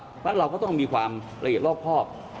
เพราะฉะนั้นเราก็ต้องมีความละเอียดรอบครอบ